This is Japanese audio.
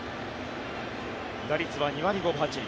打率は２割５分８厘。